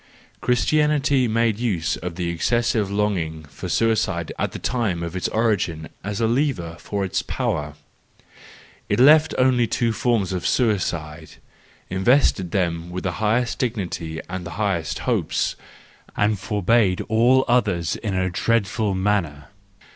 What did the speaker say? —Christianity made use of the excessive longing for suicide at the time of its origin as a lever for its power: it left only two forms of suicide, invested them with the highest dignity and the highest hopes, and forbade all others in a dreadful manner.